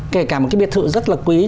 kể cả một cái biệt thự rất là quý